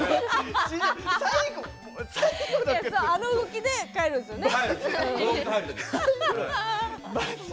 あの動きで入るんですよね？